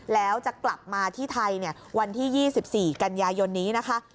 แล้วจะกลับมาที่ไทยวันที่๒๔กันยายนนี้นะคะ